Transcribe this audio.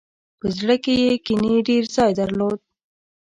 په زړه کې یې کینې ډېر ځای درلود.